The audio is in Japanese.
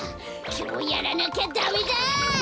きょうやらなきゃダメだ！